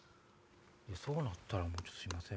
そうなったらすいません